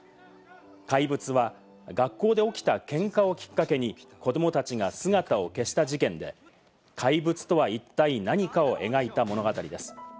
『怪物』は学校で起きたけんかをきっかけに子供たちが姿を消した事件で、怪物とは一体何かを描いた物語です。